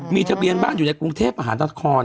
มีทะเบียนบ้านอยู่ในกรุงเทพอาหารด้านคอล